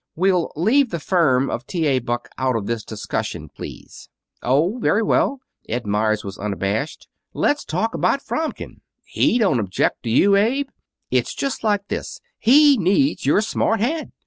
"We'll leave the firm of T. A. Buck out of this discussion, please." "Oh, very well!" Ed Meyers was unabashed. "Let's talk about Fromkin. He don't object, do you, Abe? It's just like this. He needs your smart head.